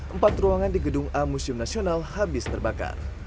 empat ruangan di gedung a museum nasional habis terbakar